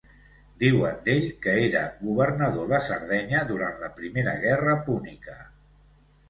Diuen d'ell que era governador de Sardenya durant la Primera Guerra Púnica.